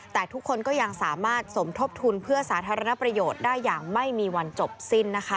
แต่ทุกคนก็ยังสามารถสมทบทุนเพื่อสาธารณประโยชน์ได้อย่างไม่มีวันจบสิ้นนะคะ